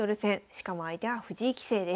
しかも相手は藤井棋聖です。